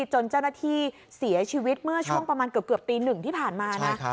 จนเจ้าหน้าที่เสียชีวิตเมื่อช่วงประมาณเกือบตีหนึ่งที่ผ่านมานะ